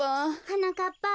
はなかっぱ。